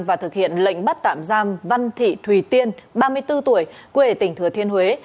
và thực hiện lệnh bắt tạm giam văn thị thùy tiên ba mươi bốn tuổi quê tỉnh thừa thiên huế